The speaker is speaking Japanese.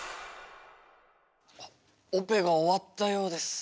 オペが終わったようです。